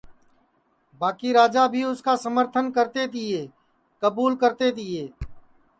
باکی راجا بھی اُس کا سمرتن کرتے تیے کبوُل کرتے تیے